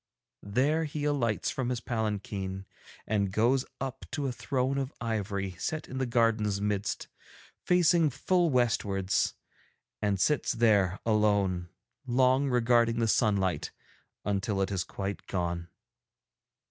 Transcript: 'There he alights from his palanquin and goes up to a throne of ivory set in the garden's midst, facing full westwards, and sits there alone, long regarding the sunlight until it is quite gone.